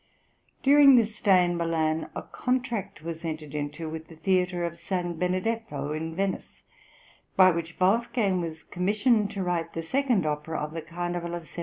During this stay in Milan a contract was entered into with the theatre of S. Benedetto in Venice, by which Wolfgang was commissioned to write the second opera of the Carnival of 1773.